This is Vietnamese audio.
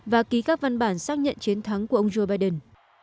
và ký các văn bản xác nhận chiến thắng của ông joe biden